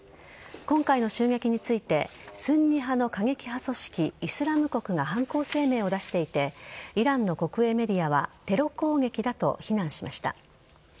今回の襲撃についてスンニ派の過激派組織イスラム国が犯行声明を出していてイランの国営メディアはテロ攻撃だと非難しました。